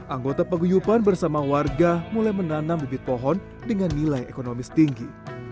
anggota paguyupan bersama warga mulai menanam bibit pohon dengan nilai ekonomis tinggi